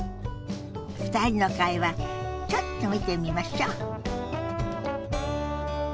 ２人の会話ちょっと見てみましょ。